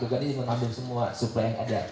jadi menambah semua supaya ada